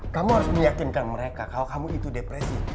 kamu harus meyakinkan mereka kalau kamu itu depresi